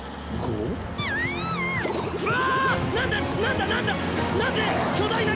うわ！